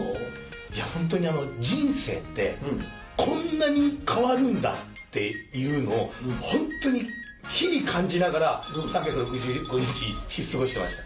いやホントに人生ってこんなに変わるんだっていうのをホントに日々感じながら３６５日過ごしてました。